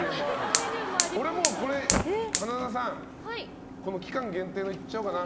俺もう、花澤さん期間限定のいっちゃおうかな。